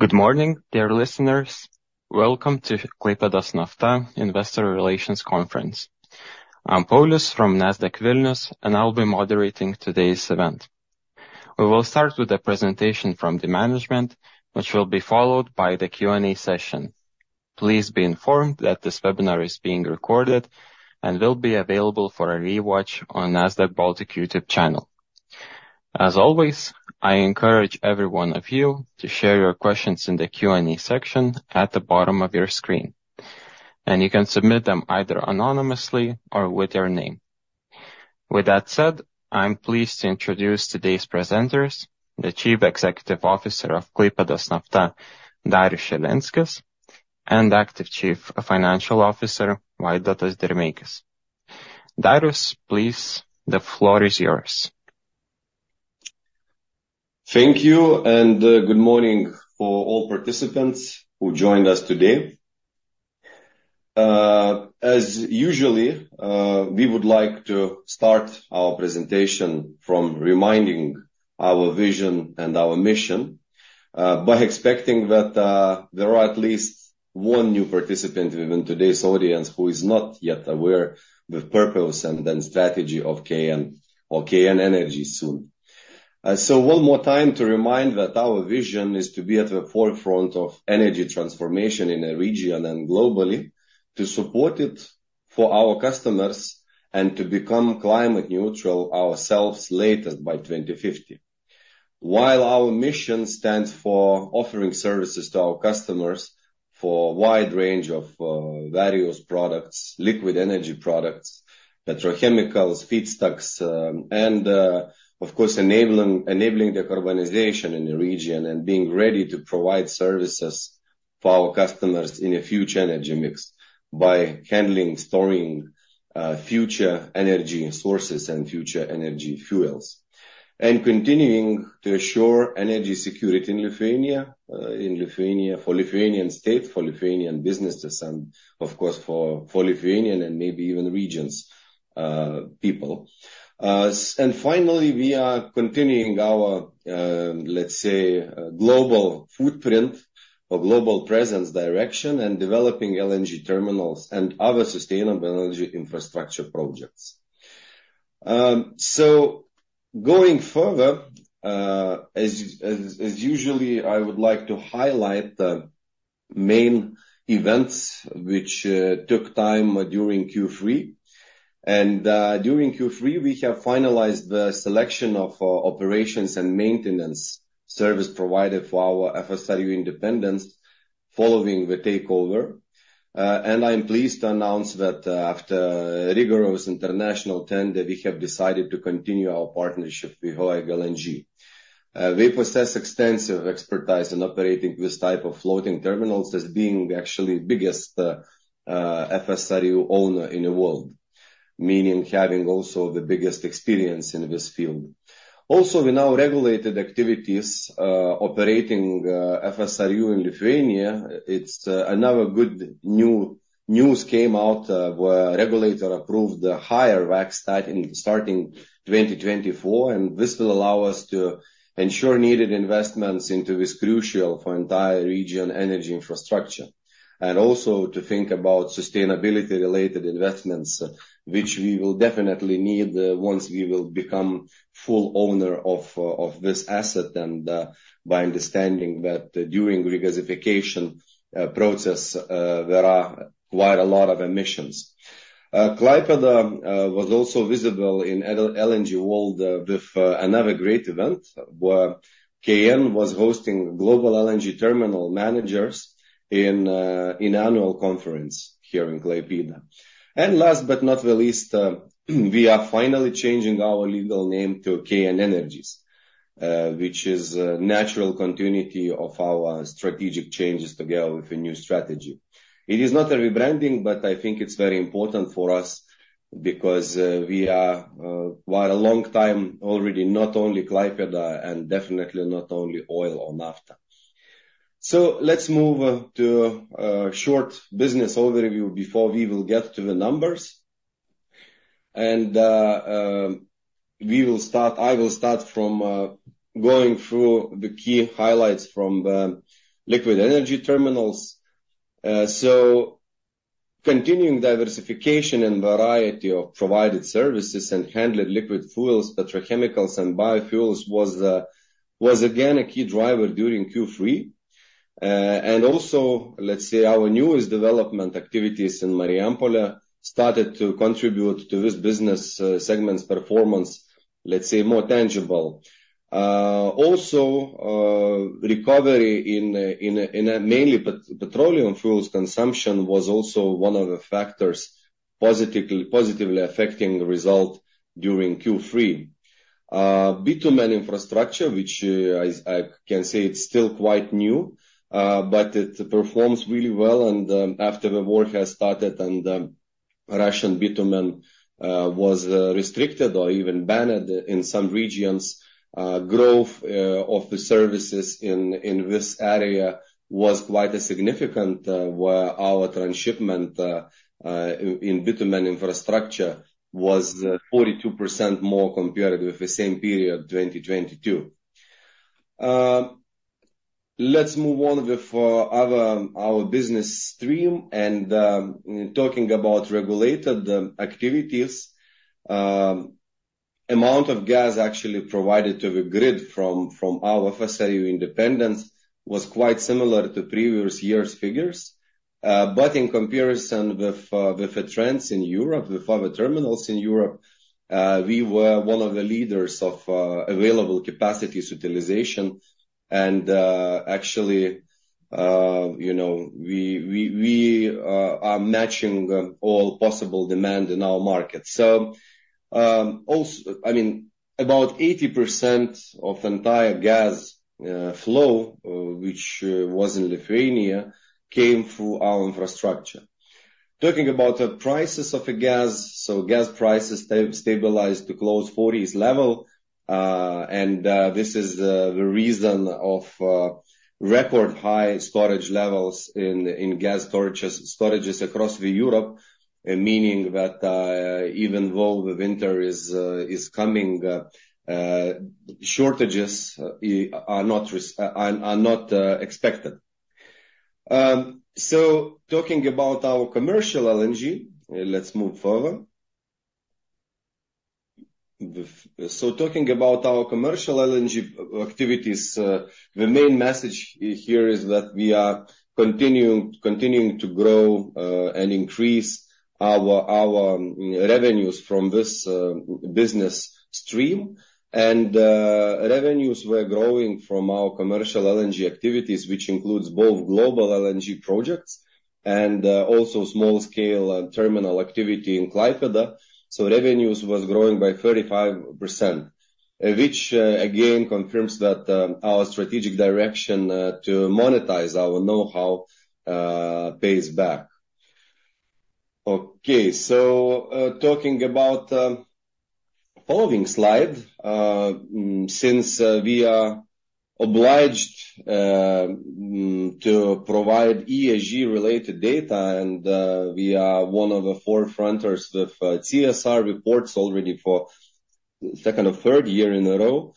Good morning, dear listeners. Welcome to Klaipėdos Nafta investor relations conference. I'm Paulius from Nasdaq Vilnius, and I'll be moderating today's event. We will start with a presentation from the management, which will be followed by the Q&A session. Please be informed that this webinar is being recorded and will be available for a rewatch on Nasdaq Baltic YouTube channel. As always, I encourage everyone of you to share your questions in the Q&A section at the bottom of your screen, and you can submit them either anonymously or with your name. With that said, I'm pleased to introduce today's presenters: the Chief Executive Officer of Klaipėdos Nafta, Darius Šilenskis, and acting Chief Financial Officer, Vaidotas Dirmeikis. Darius, please, the floor is yours. Thank you, and good morning to all participants who joined us today. As usual, we would like to start our presentation by reminding our vision and our mission, but expecting that there is at least one new participant in today's audience who is not yet aware of the purpose and the strategy of KN Energies. Soon. So one more time to remind that our vision is to be at the forefront of energy transformation in the region and globally, to support it for our customers, and to become climate neutral ourselves latest by 2050. While our mission stands for offering services to our customers for a wide range of various products: liquid energy products, petrochemicals, feedstocks, and of course enabling decarbonization in the region and being ready to provide services for our customers in a future energy mix by handling, storing future energy sources and future energy fuels, and continuing to assure energy security in Lithuania for the Lithuanian state, for Lithuanian businesses, and of course for Lithuanian and maybe even regions, people. And finally, we are continuing our, let's say, global footprint or global presence direction and developing LNG terminals and other sustainable energy infrastructure projects. So going further, as usual, I would like to highlight the main events which took time during Q3. And during Q3, we have finalized the selection of operations and maintenance service provided for our FSRU Independence following the takeover. I'm pleased to announce that after a rigorous international tender, we have decided to continue our partnership with Höegh LNG. We possess extensive expertise in operating this type of floating terminals as being actually the biggest FSRU owner in the world, meaning having also the biggest experience in this field. Also, we now regulated activities operating FSRU in Lithuania. Another good news came out where a regulator approved a higher WAC starting in 2024, and this will allow us to ensure needed investments into this crucial for the entire region energy infrastructure and also to think about sustainability-related investments, which we will definitely need once we will become full owners of this asset. By understanding that during the regasification process, there are quite a lot of emissions. Klaipėda was also visible in the LNG world with another great event where KN was hosting global LNG terminal managers in an annual conference here in Klaipėda. Last but not the least, we are finally changing our legal name to KN Energies, which is a natural continuity of our strategic changes together with a new strategy. It is not a rebranding, but I think it's very important for us because we are quite a long time already not only Klaipėda and definitely not only oil or nafta. Let's move to a short business overview before we will get to the numbers. We will start. I will start from going through the key highlights from liquid energy terminals. Continuing diversification and variety of provided services and handling liquid fuels, petrochemicals, and biofuels was again a key driver during Q3. And also, let's say, our newest development activities in Marijampolė started to contribute to this business segment's performance, let's say, more tangible. Also, recovery in mainly petroleum fuels consumption was also one of the factors positively affecting the result during Q3. Bitumen infrastructure, which I can say it's still quite new, but it performs really well. And after the war has started and Russian bitumen was restricted or even banned in some regions, growth of the services in this area was quite significant where our transshipment in bitumen infrastructure was 42% more compared with the same period 2022. Let's move on with our business stream and talking about regulated activities. The amount of gas actually provided to the grid from our FSRU Independence was quite similar to previous year's figures. In comparison with the trends in Europe, with other terminals in Europe, we were one of the leaders of available capacity utilization. Actually, you know, we are matching all possible demand in our market. Also, I mean, about 80% of the entire gas flow, which was in Lithuania, came through our infrastructure. Talking about the prices of gas, gas prices stabilized to close 40s level. This is the reason of record high storage levels in gas storages across Europe, meaning that even though the winter is coming, shortages are not expected. Talking about our commercial LNG, let's move further. Talking about our commercial LNG activities, the main message here is that we are continuing to grow and increase our revenues from this business stream. And revenues were growing from our commercial LNG activities, which includes both global LNG projects and also small-scale terminal activity in Klaipėda. So revenues were growing by 35%, which again confirms that our strategic direction to monetize our know-how pays back. Okay, so talking about the following slide, since we are obliged to provide ESG-related data and we are one of the forefront with CSR reports already for the second or third year in a row,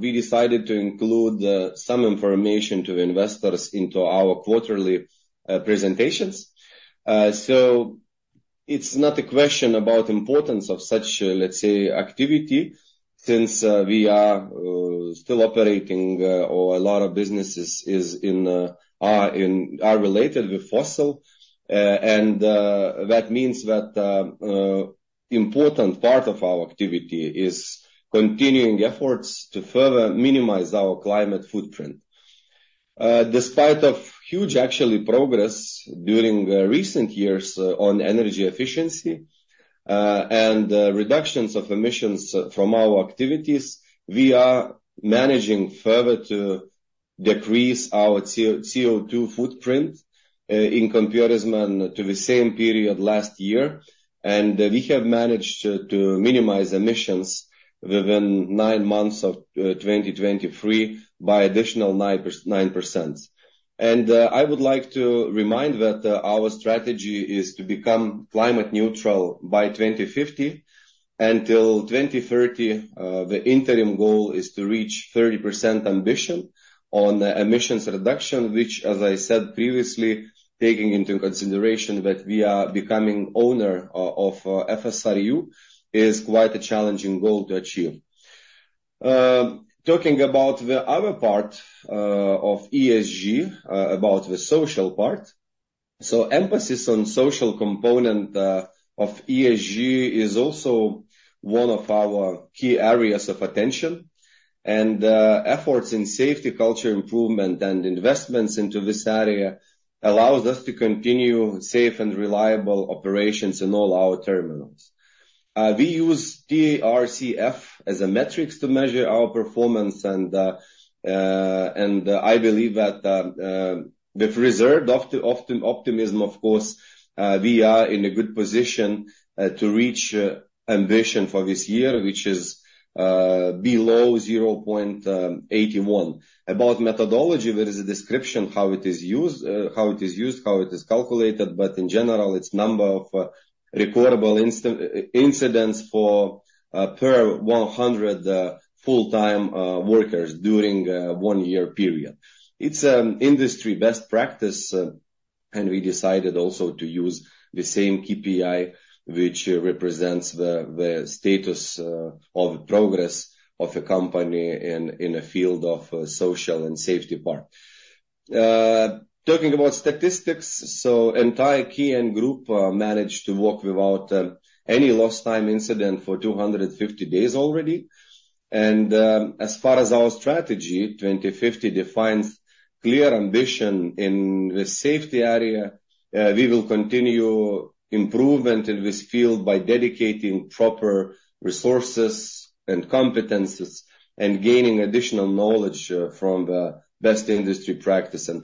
we decided to include some information to investors into our quarterly presentations. So it's not a question about the importance of such, let's say, activity since we are still operating or a lot of businesses are related with fossil. And that means that an important part of our activity is continuing efforts to further minimize our climate footprint. Despite huge actually progress during recent years on energy efficiency and reductions of emissions from our activities, we are managing further to decrease our CO₂ footprint in comparison to the same period last year. We have managed to minimize emissions within nine months of 2023 by an additional 9%. I would like to remind that our strategy is to become climate neutral by 2050. Until 2030, the interim goal is to reach 30% ambition on emissions reduction, which, as I said previously, taking into consideration that we are becoming owners of FSRU is quite a challenging goal to achieve. Talking about the other part of ESG, about the social part. Emphasis on the social component of ESG is also one of our key areas of attention. Efforts in safety, culture improvement, and investments into this area allow us to continue safe and reliable operations in all our terminals. We use TRCF as a metric to measure our performance. I believe that with the reserve of optimism, of course, we are in a good position to reach ambition for this year, which is below 0.81. About methodology, there is a description of how it is used, how it is used, how it is calculated. But in general, it's the number of recordable incidents per 100 full-time workers during a 1 year period. It's an industry best practice. We decided also to use the same KPI, which represents the status of progress of a company in a field of social and safety part. Talking about statistics, so the entire KN group managed to work without any lost time incident for 250 days already. As far as our strategy, 2050 defines clear ambition in the safety area. We will continue improvement in this field by dedicating proper resources and competencies and gaining additional knowledge from the best industry practice and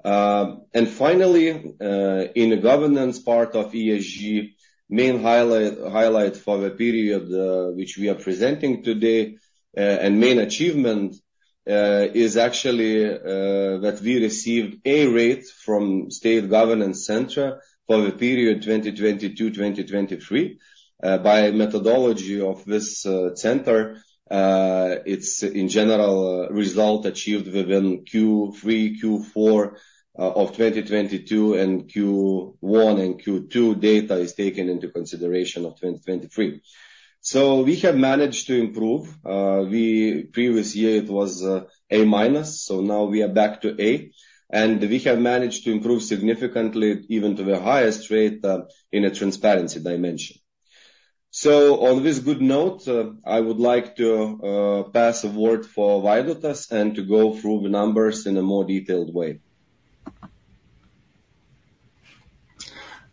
professionals. Finally, in the governance part of ESG, the main highlight for the period which we are presenting today and the main achievement is actually that we received an A rate from the State Governance Center for the period 2022-2023. By methodology of this center, it's in general results achieved within Q3, Q4 of 2022, and Q1 and Q2 data is taken into consideration of 2023. We have managed to improve. The previous year it was A minus. Now we are back to A. We have managed to improve significantly even to the highest rate in a transparency dimension. On this good note, I would like to pass the word for Vaidotas and to go through the numbers in a more detailed way.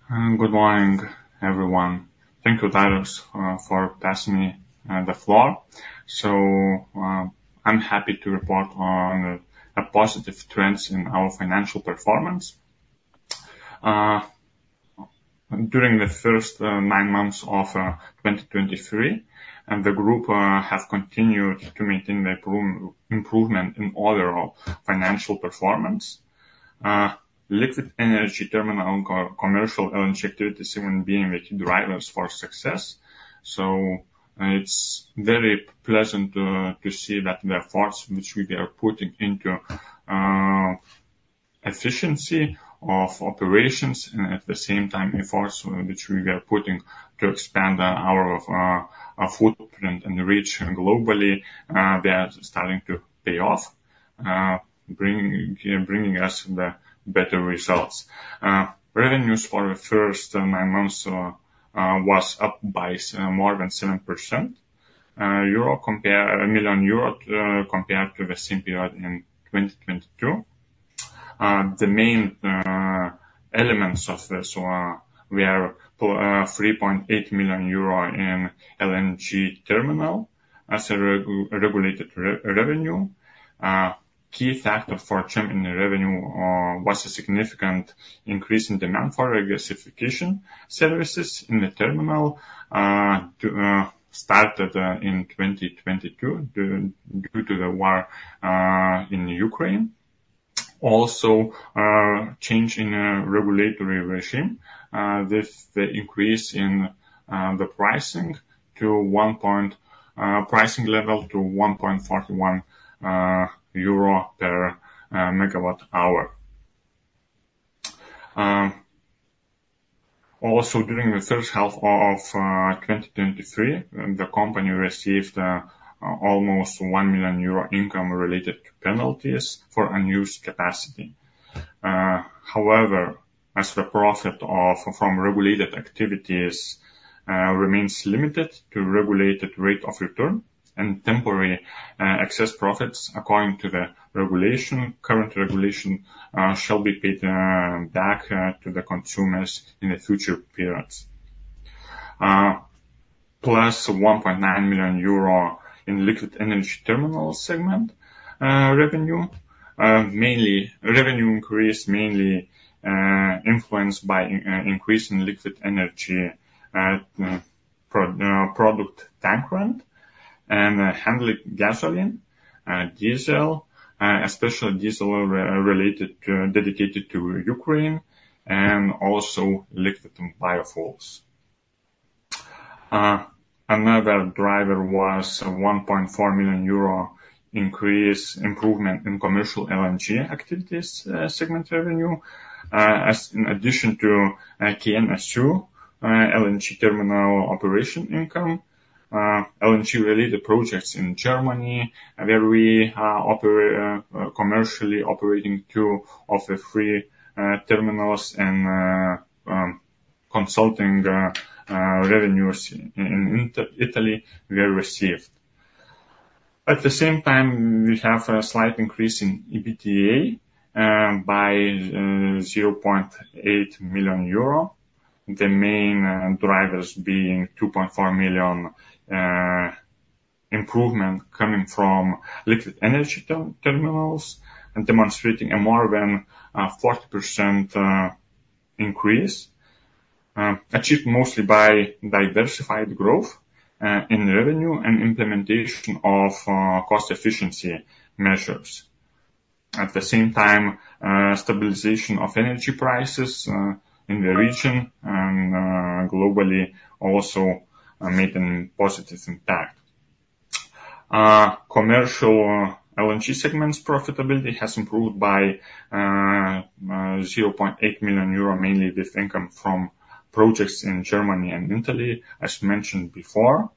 Good morning, everyone. Thank you, Darius, for passing me the floor. I'm happy to report on the positive trends in our financial performance. During the first 9 months of 2023, the group has continued to maintain the improvement in overall financial performance. Liquid energy terminal commercial LNG activities have been the key drivers for success. It's very pleasant to see that the efforts which we are putting into efficiency of operations and at the same time efforts which we are putting to expand our footprint and reach globally, they are starting to pay off, bringing us better results. Revenues for the first nine months were up by more than 7%, 1 million euro compared to the same period in 2022. The main elements of this were 3.8 million euro in LNG terminal as a regulated revenue. A key factor for change in the revenue was a significant increase in demand for regasification services in the terminal started in 2022 due to the war in Ukraine. Also, a change in a regulatory regime with the increase in the pricing to 1.0 pricing level to 1.41 euro per megawatt hour. Also, during the first half of 2023, the company received almost 1 million euro income related to penalties for unused capacity. However, as the profit from regulated activities remains limited to the regulated rate of return and temporary excess profits, according to the regulation, current regulation shall be paid back to the consumers in the future periods. Plus 1.9 million euro in liquid energy terminal segment revenue, mainly revenue increase mainly influenced by an increase in liquid energy product tank rent and handling gasoline, diesel, especially diesel related to dedicated to Ukraine, and also liquid biofuels. Another driver was a 1.4 million euro increase improvement in commercial LNG activities segment revenue in addition to KN's LNG terminal operation income. LNG-related projects in Germany where we are commercially operating two of the three terminals and consulting revenues in Italy were received. At the same time, we have a slight increase in EBITDA by 0.8 million euro, the main drivers being 2.4 million improvement coming from liquid energy terminals and demonstrating a more than 40% increase, achieved mostly by diversified growth in revenue and implementation of cost efficiency measures. At the same time, stabilization of energy prices in the region and globally also made a positive impact. Commercial LNG segment's profitability has improved by 0.8 million euro, mainly with income from projects in Germany and Italy, as mentioned before.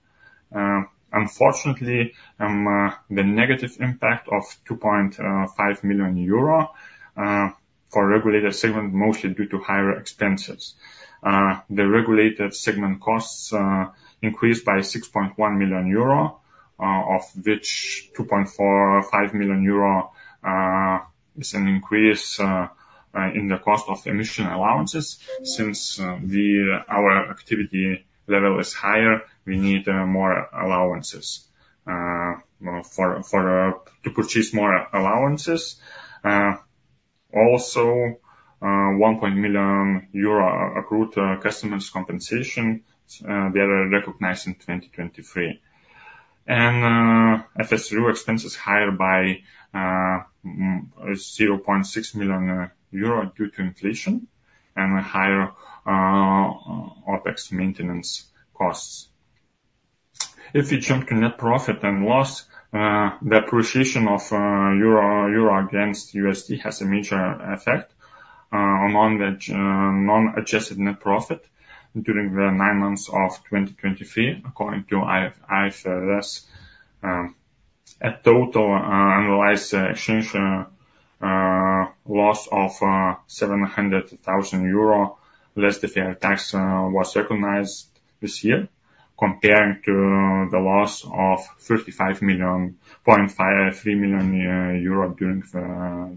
Unfortunately, the negative impact of 2.5 million euro for regulated segment, mostly due to higher expenses. The regulated segment costs increased by 6.1 million euro, of which 2.45 million euro is an increase in the cost of emission allowances. Since our activity level is higher, we need more allowances to purchase more allowances. Also, 1.0 million euro accrued customers' compensation that are recognized in 2023. FSRU expenses are higher by 0.6 million euro due to inflation and higher OPEX maintenance costs. If we jump to net profit and loss, the appreciation of euro against the US dollar has a major effect on non-adjusted net profit during the nine months of 2023, according to IFRS. A total analyzed exchange loss of 700,000 euro less the fair tax was recognized this year, comparing to the loss of 35.3 million during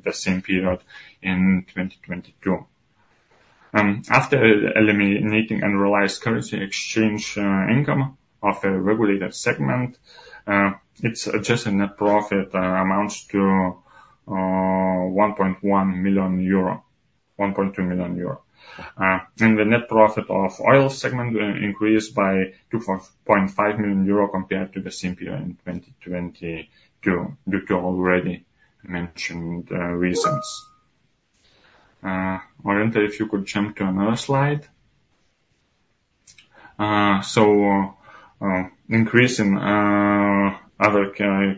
the same period in 2022. After eliminating analyzed currency exchange income of a regulated segment, its adjusted net profit amounts to 1.1 million euro, 1.2 million euro. The net profit of oil segment increased by 2.5 million euro compared to the same period in 2022 due to already mentioned reasons. Orinta, if you could jump to another slide. Increasing other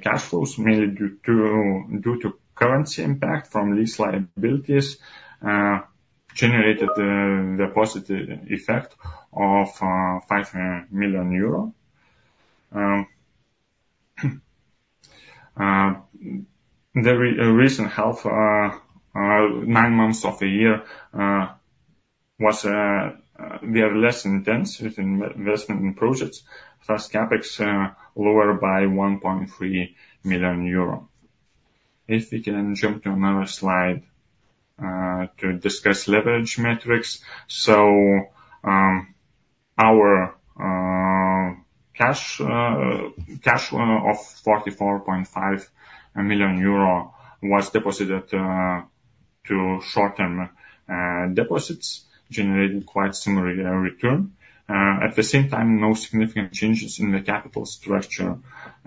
cash flows, mainly due to currency impact from lease liabilities, generated the positive effect of EUR 5 million. The recent health, nine months of a year, they are less intense with investment in projects. First CAPEX lower by 1.3 million euro. If we can jump to another slide to discuss leverage metrics. So our cash flow of 44.5 million euro was deposited to short-term deposits, generating quite similar return. At the same time, no significant changes in the capital structure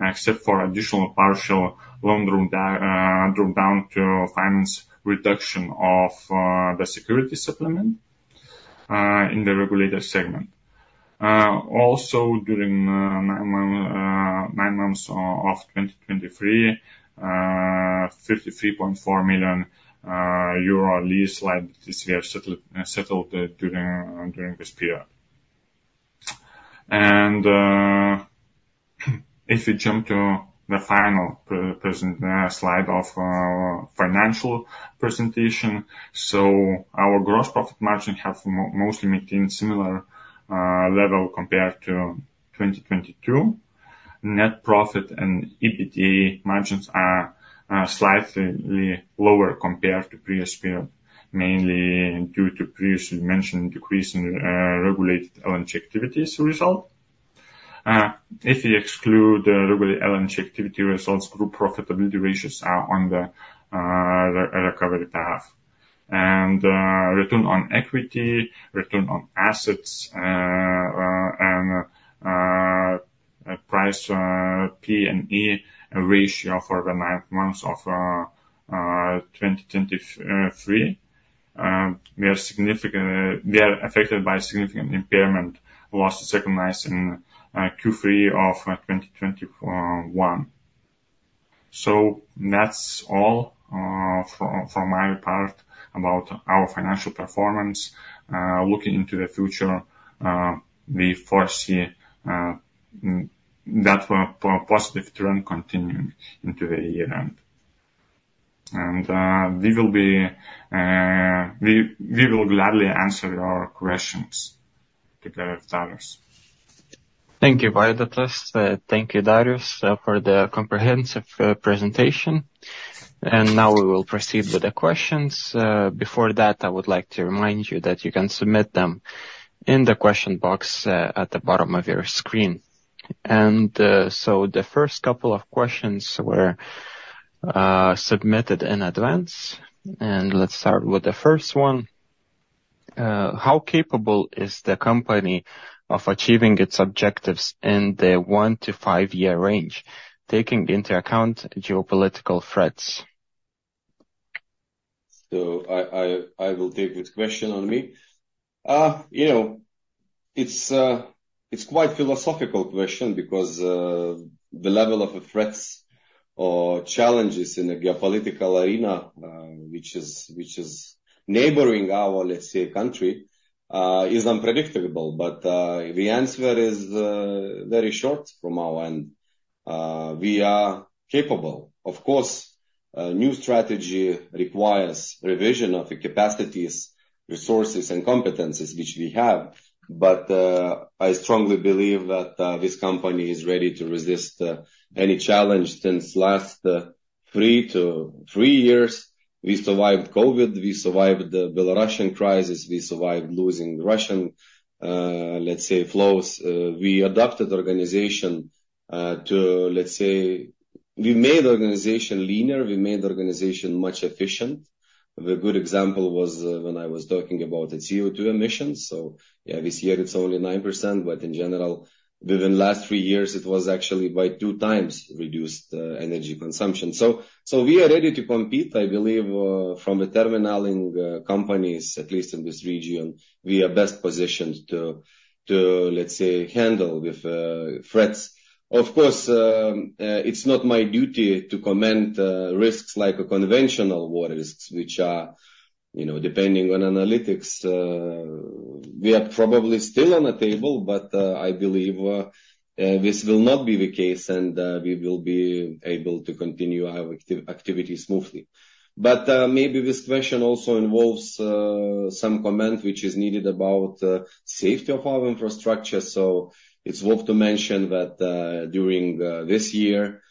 except for additional partial loan drawdown to finance reduction of the security supplement in the regulated segment. Also, during 9 months of 2023, 53.4 million euro lease liabilities were settled during this period. And if we jump to the final present slide of financial presentation. So our gross profit margin has mostly maintained similar level compared to 2022. Net profit and EBITDA margins are slightly lower compared to previous period, mainly due to previously mentioned decrease in regulated LNG activities result. If we exclude regulated LNG activity results, group profitability ratios are on the recovery path. Return on equity, return on assets, and P/E ratio for the 9th month of 2023 are affected by significant impairment losses recognized in Q3 of 2021. So that's all from my part about our financial performance. Looking into the future, we foresee that positive return continuing into the year-end. And we will gladly answer your questions together with Darius. Thank you, Vaidotas. Thank you, Darius, for the comprehensive presentation. Now we will proceed with the questions. Before that, I would like to remind you that you can submit them in the question box at the bottom of your screen. The first couple of questions were submitted in advance. Let's start with the first one. How capable is the company of achieving its objectives in the 1-5 year range, taking into account geopolitical threats? So I will take this question on me. It's quite a philosophical question because the level of threats or challenges in the geopolitical arena, which is neighboring our, let's say, country, is unpredictable. But the answer is very short from our end. We are capable. Of course, new strategy requires revision of the capacities, resources, and competencies, which we have. But I strongly believe that this company is ready to resist any challenge. Since the last 3 years, we survived COVID. We survived the Belarusian crisis. We survived losing Russian, let's say, flows. We adopted organization to, let's say we made organization leaner. We made organization much efficient. The good example was when I was talking about its CO₂ emissions. So yeah, this year, it's only 9%. But in general, within the last 3 years, it was actually by 2 times reduced energy consumption. So we are ready to compete, I believe, from the terminaling companies, at least in this region, we are best positioned to, let's say, handle with threats. Of course, it's not my duty to comment risks like conventional war risks, which are depending on analytics. We are probably still on the table, but I believe this will not be the case, and we will be able to continue our activity smoothly. But maybe this question also involves some comment which is needed about safety of our infrastructure. So it's worth to mention that during this year,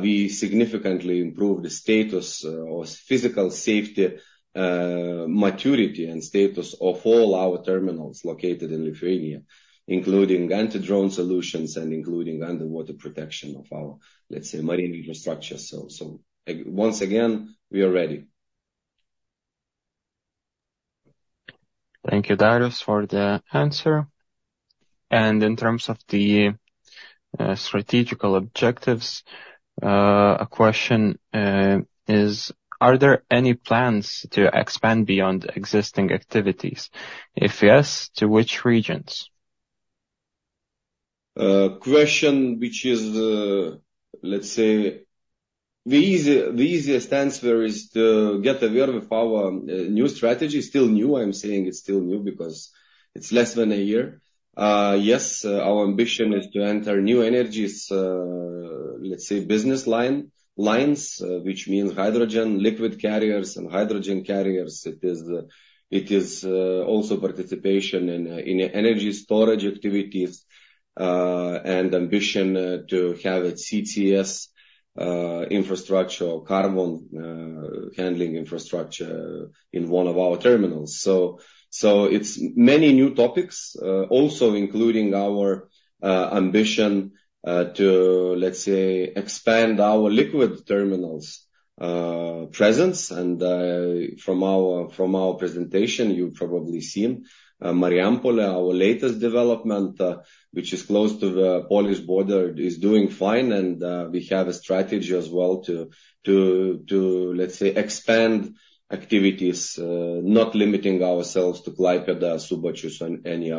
we significantly improved the status of physical safety maturity and status of all our terminals located in Lithuania, including anti-drone solutions and including underwater protection of our, let's say, marine infrastructure. So once again, we are ready. Thank you, Darius, for the answer. In terms of the strategic objectives, a question is, are there any plans to expand beyond existing activities? If yes, to which regions? Question which is, let's say, the easiest answer is to get aware of our new strategy. Still new. I'm saying it's still new because it's less than a year. Yes, our ambition is to enter new energies, let's say, business lines, which means hydrogen liquid carriers and hydrogen carriers. It is also participation in energy storage activities and ambition to have a CCS infrastructure, carbon handling infrastructure in one of our terminals. So it's many new topics, also including our ambition to, let's say, expand our liquid terminals' presence. And from our presentation, you've probably seen Marijampolė, our latest development, which is close to the Polish border, is doing fine. And we have a strategy as well to, let's say, expand activities, not limiting ourselves to Klaipėda, Subačius, and any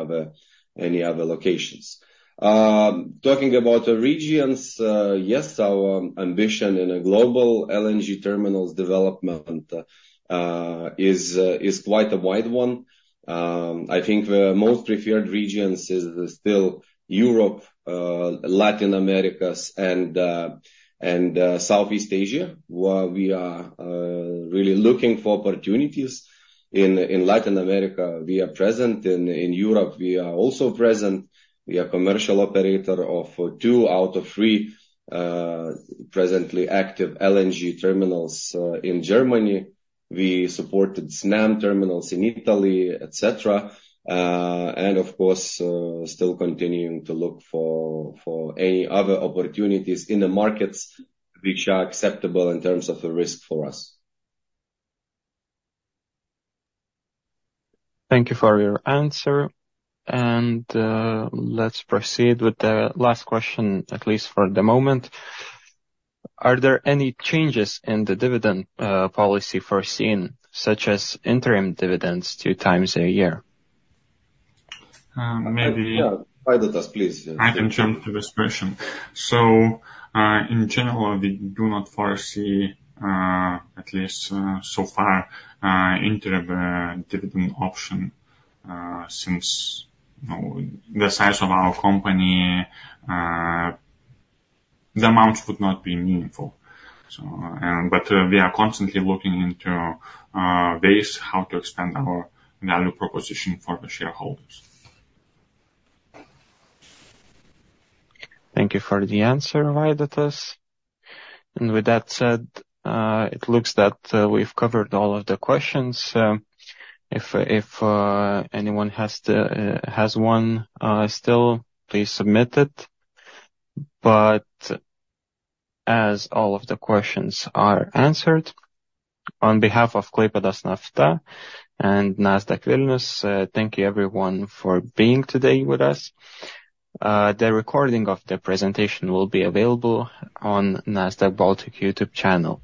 other locations. Talking about regions, yes, our ambition in global LNG terminals development is quite a wide one. I think the most preferred regions are still Europe, Latin America, and Southeast Asia. We are really looking for opportunities in Latin America. We are present in Europe. We are also present. We are a commercial operator of 2 out of 3 presently active LNG terminals in Germany. We supported Snam terminals in Italy, etc. And of course, still continuing to look for any other opportunities in the markets which are acceptable in terms of the risk for us. Thank you for your answer. Let's proceed with the last question, at least for the moment. Are there any changes in the dividend policy foreseen, such as interim dividends two times a year? Maybe. Yeah. Vaidotas, please. I can jump to this question. So in general, we do not foresee, at least so far, interim dividend option since the size of our company, the amounts would not be meaningful. But we are constantly looking into ways how to expand our value proposition for the shareholders. Thank you for the answer, Vaidotas. With that said, it looks that we've covered all of the questions. If anyone has one still, please submit it. As all of the questions are answered, on behalf of Klaipėdos Nafta and Nasdaq Vilnius, thank you, everyone, for being today with us. The recording of the presentation will be available on Nasdaq Baltic YouTube channel.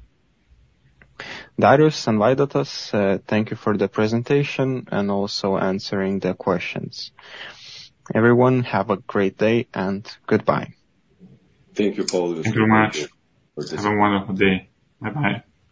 Darius and Vaidotas, thank you for the presentation and also answering the questions. Everyone, have a great day and goodbye. Thank you, Paulius. Thank you very much. Have a wonderful day. Bye-bye.